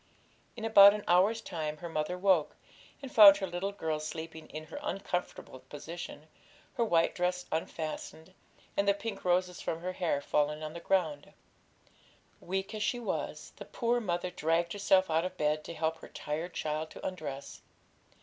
In about an hour's time her mother woke, and found her little girl sleeping in her uncomfortable position, her white dress unfastened, and the pink roses from her hair fallen on the ground. Weak as she was, the poor mother dragged herself out of bed to help her tired child to undress.